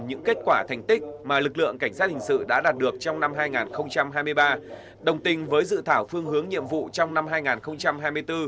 những kết quả thành tích mà lực lượng cảnh sát hình sự đã đạt được trong năm hai nghìn hai mươi ba đồng tình với dự thảo phương hướng nhiệm vụ trong năm hai nghìn hai mươi bốn